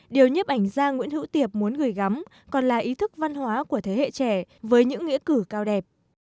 điều nhiếp ảnh gia nguyễn hữu tiệp muốn gửi gắm còn là ý thức văn hóa của thế hệ trẻ với những nghĩa cử cao đẹp